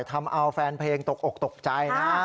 ทำเอาแฟนเพลงตกอกตกใจนะ